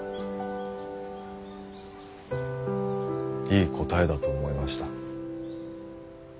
いい答えだと思いました。